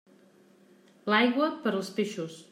L'aigua, per als peixos.